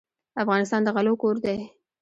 افغانستان د غلو کور دی.